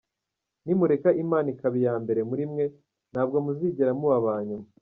Nimureka Imana ikaba iya mbere muri mwe, ntabwo muzigera muba aba nyuma.